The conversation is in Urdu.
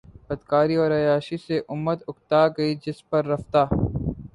بدکرداری اور عیاشی سے امت اکتا گئ جس پر رفتہ